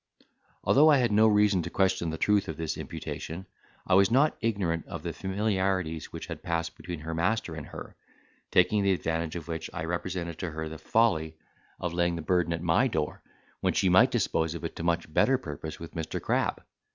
Although I had no reason to question the truth of this imputation, I was not ignorant of the familiarities which had passed between her master and her, taking the advantage of which I represented to her the folly of laying the burden at my door, when she might dispose of it to much better purpose with Mr. Crab.